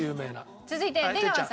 では続いて出川さん。